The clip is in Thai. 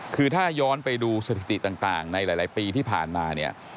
คือถ้าย้อนไปดูสถิติต่างในหลายปีที่ผ่านมาเนี่ย